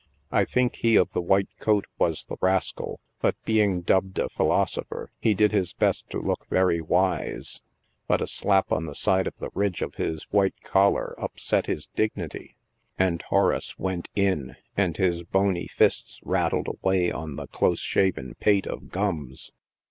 I think he of the white coat was the rascal, but being dubbed a philosopher, he did his best to look very wise, but a slap on the side of the ridge of his white collar upset his dignity, and " Horace" " went in,' ; and his boney fists rattled away on the close shaven pate of " Gums."